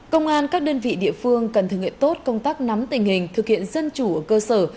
công an các đơn vị địa phương cần thực hiện tốt công tác nắm tình hình thực hiện dân chủ ở cơ sở